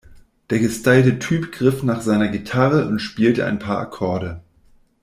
Der gestylte Typ griff nach seiner Gitarre und spielte ein paar Akkorde.